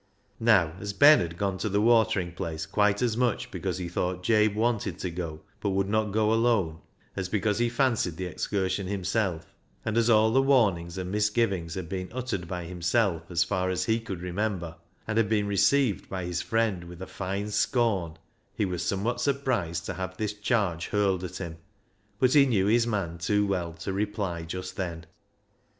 Now, as Ben had gone to the watering place quite as much because he thought Jabe wanted to go, but would not go alone, as because he fancied the excursion himself, and as all the warnings and misgivings had been uttered by himself, as far as he could remember, and had been received by his friend with fine scorn, he was somewhat surprised to have this charge hurled at him, but he knew his man too well to reply just then.